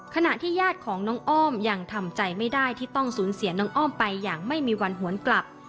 ขณะที่ญาติของน้องอ้อมยังทำใจไม่ได้ที่ต้องสูญเสียน้องอ้อมไปอย่างไม่มีวันหวนกลับ